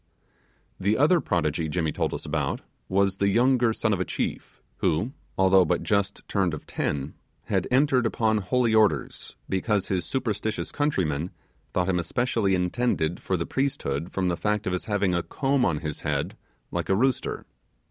The other prodigy Jimmy told us about was the younger son of a chief, who, although but just turned of ten, had entered upon holy orders, because his superstitious countrymen thought him especially intended for the priesthood from the fact of his having a comb on his head like a rooster.